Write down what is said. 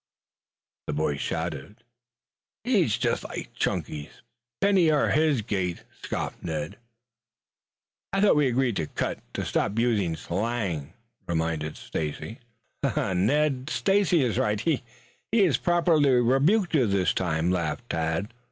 The boys shouted. "He is just like Chunky. Pennies are his gait," scoffed Ned. "I thought we'd agreed to cut to stop using slang," reminded Stacy. "Ned, Stacy is right. He has properly rebuked you this time," laughed Tad.